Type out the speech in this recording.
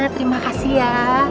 terima kasih ya